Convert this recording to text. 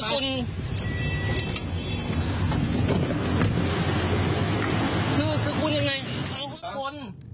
นึกว่ายังไง